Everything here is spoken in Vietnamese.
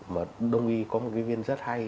mà đông y có một cái viên rất hay